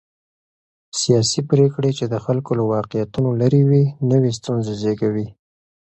سیاسي پرېکړې چې د خلکو له واقعيتونو لرې وي، نوې ستونزې زېږوي.